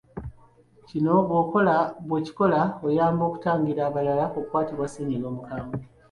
Kino bw’okikola, oyamba okutangira abalala obutakwatibwa ssennyiga omukambwe.